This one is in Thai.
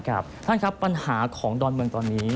ครับท่านครับปัญหาของดอนเมืองตอนนี้